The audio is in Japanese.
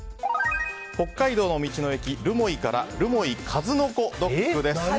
北海道の道の駅るもいから留萌数の子ドッグです。